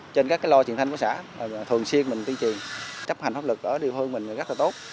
trên các lo truyền thanh của xã thường xuyên mình tuyên truyền chấp hành pháp lực ở địa phương mình rất là tốt